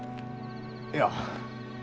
いや。